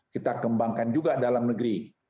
kita kembangkan juga dalam negeri